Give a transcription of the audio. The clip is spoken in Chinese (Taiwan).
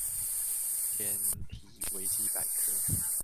檢體維基百科